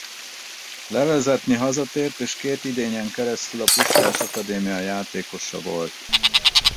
Levezetni hazatért és két idényen keresztül a Puskás Akadémia játékosa volt.